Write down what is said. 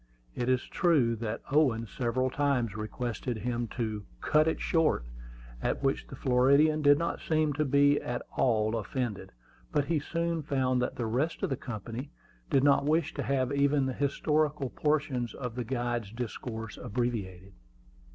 It is true that Owen several times requested him to "cut it short," at which the Floridian did not seem to be at all offended; but he soon found that the rest of the company did not wish to have even the historical portions of the guide's discourse abbreviated.